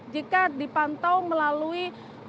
jika dipantau melalui